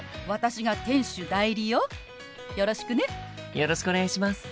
よろしくお願いします。